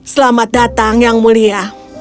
selamat datang yang mulia